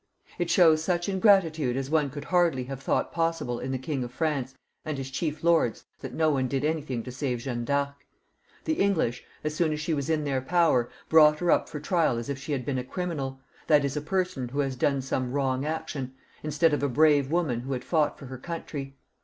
It shows such ingratitude as one could hardly have thought possible in the King of France and his chief lords, that no one did anything to save Jeanne D'Arc. The English, as soon as she was in their power, brought her up for trial, as if she had been a criminal, that is, a person who has done some wrong action, instead of a brave soldier who had fought for her country.